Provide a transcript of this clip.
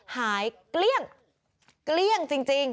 เกลี้ยงเกลี้ยงจริง